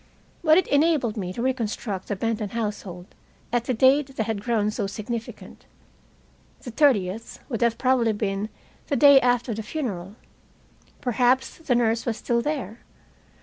But it enabled me to reconstruct the Benton household at the date that had grown so significant. The 30th would have probably been the day after the funeral. Perhaps the nurse was still there.